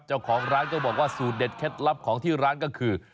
เจ้าของร้านก็บอกว่าสูตรเด็ดเคล็ดลับของที่ร้านก็คือ